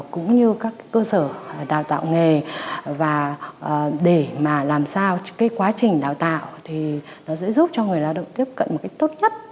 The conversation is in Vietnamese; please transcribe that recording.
cũng như các cơ sở đào tạo nghề và để mà làm sao cái quá trình đào tạo thì nó sẽ giúp cho người lao động tiếp cận một cách tốt nhất